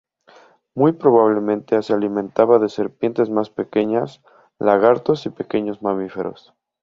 Muy probablemente se alimentaba de serpientes más pequeñas, lagartos y pequeños mamíferos.